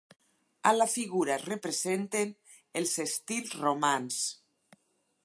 A la figura es representen els estils romans.